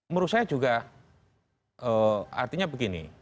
menurut saya juga artinya begini